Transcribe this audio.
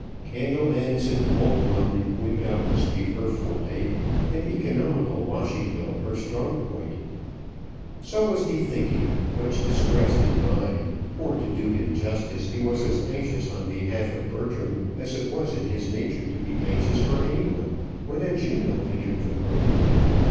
Candle ends and cold mutton would doubtless be her forte, an economical washing bill her strong point. So was he thinking, much distressed in mind for, to do him justice, he was as anxious on behalf of Bertram as it was in his nature to be anxious for any one when a Juno entered the room.